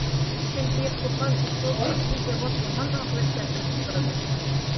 چۈنكى، قوپال ئۇسۇل، ئاددىي جاۋاب يامان ئاقىۋەت كەلتۈرۈپ چىقىرىدۇ.